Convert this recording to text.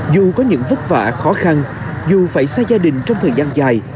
dù có những vất vả khó khăn dù phải xa gia đình trong thời gian dài